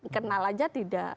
kenal saja tidak